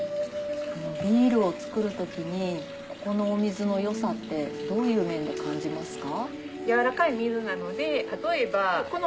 ビールを造る時にここのお水の良さってどういう面で感じますか？